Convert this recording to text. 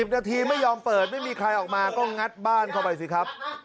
นาทีไม่ยอมเปิดไม่มีใครออกมาก็งัดบ้านเข้าไปสิครับ